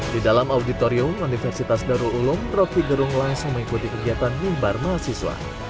di dalam auditorium universitas darul ulum rocky gerung langsung mengikuti kegiatan mimbar mahasiswa